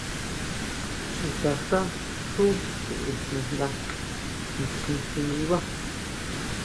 Chutaxá xú sʼejnanda nitjín xi ndibá.